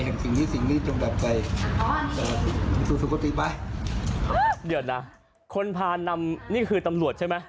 เดี๋ยวนะคนนี่คือตำรวชใช่ไหม